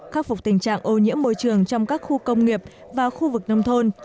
khắc phục tình trạng ô nhiễm môi trường trong các khu công nghiệp và khu vực nông thôn